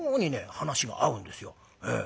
話が合うんですよ。